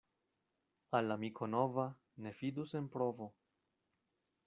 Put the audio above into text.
Al amiko nova ne fidu sen provo.